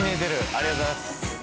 ありがとうございます。